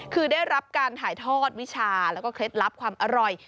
คือได้รับการถ่ายทอดวิชาแล้วก็เคล็ดลับความอร่อย